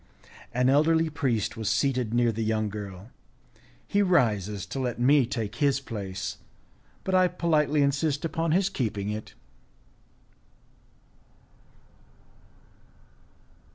An elderly priest was seated near the young girl, he rises to let me take his place, but I politely insist upon his keeping it.